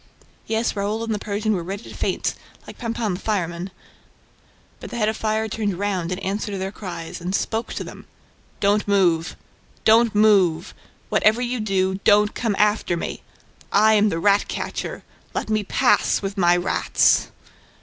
Yes, Raoul and the Persian were ready to faint, like Pampin the fireman. But the head of fire turned round in answer to their cries, and spoke to them: "Don't move! Don't move! ... Whatever you do, don't come after me! ... I am the rat catcher! ... Let me pass, with my rats!